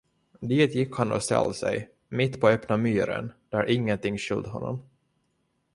Dit gick han och ställde sig, mittpå öppna myren, där ingenting skylde honom.